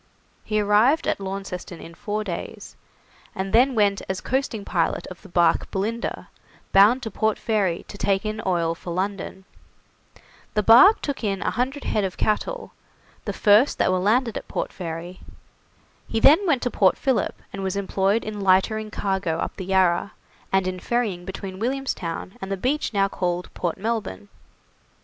He arrived at Launceston in four days, and then went as coasting pilot of the barque 'Belinda', bound to Port Fairy to take in oil for London. The barque took in 100 head of cattle, the first that were landed at Port Fairy. He then went to Port Philip, and was employed in lightering cargo up the Yarra, and in ferrying between Williamstown and the beach now called Port Melbourne.